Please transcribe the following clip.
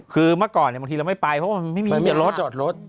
คือมาก่อนบางทีเรามันไม่ไปเพราะมันไม่มีที่เราจอดรถ